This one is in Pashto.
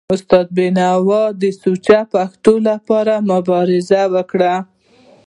استاد بینوا د سوچه پښتو لپاره مبارزه وکړه.